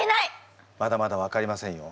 まだまだわかりませんよ。